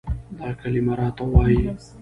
دا کلمه راته وايي،